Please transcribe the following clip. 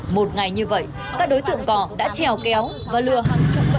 một ngày như vậy các đối tượng cỏ đã trèo kéo và lừa hàng trận bệnh nhân